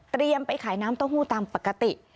ไปขายน้ำเต้าหู้ตามปกติ